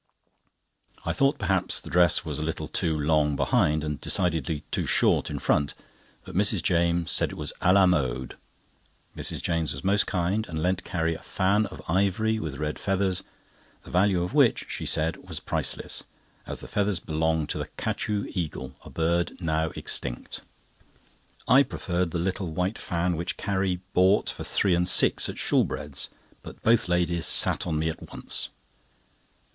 I thought perhaps the dress was a little too long behind, and decidedly too short in front, but Mrs. James said it was à la mode. Mrs. James was most kind, and lent Carrie a fan of ivory with red feathers, the value of which, she said, was priceless, as the feathers belonged to the Kachu eagle—a bird now extinct. I preferred the little white fan which Carrie bought for three and six at Shoolbred's, but both ladies sat on me at once.